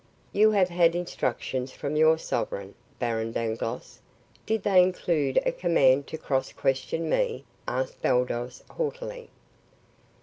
"You have had instructions from your sovereign, Baron Dangloss. Did they include a command to cross question me?" asked Baldos haughtily.